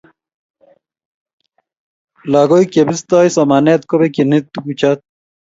lakoik chebistoi somanet kobekchini tukuchotp